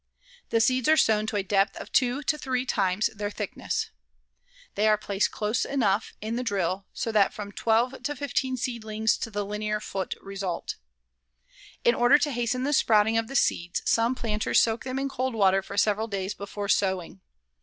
The seeds are sown to a depth of 2 to 3 times their thickness. They are placed close enough in the drill so that from 12 to 15 seedlings to the linear foot result. In order to hasten the sprouting of the seeds, some planters soak them in cold water for several days before sowing.